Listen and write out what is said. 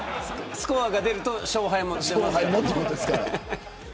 スコアが出ると勝敗も出ます。